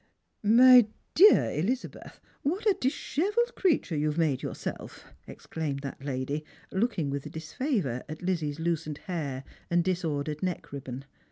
"My 'dear Elizabeth, what a dishevelled creature you have made yourself I" exclaimed that lady, lookiir^ with disfavour at Lizzie's loosened hair and disordered neck riubou.